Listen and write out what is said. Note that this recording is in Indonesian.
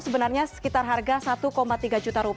sebenarnya sekitar harga rp satu tiga juta